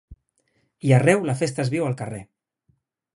I arreu la festa es viu al carrer.